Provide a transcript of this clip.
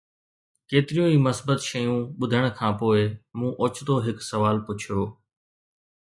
ڪيتريون ئي مثبت شيون ٻڌڻ کان پوء، مون اوچتو هڪ سوال پڇيو